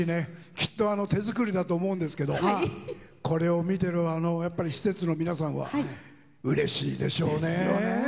きっと手作りだと思うんですけどこれを見ている施設の皆さんはうれしいでしょうね。